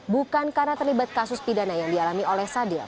bukan karena terlibat kasus pidana yang dialami oleh sadil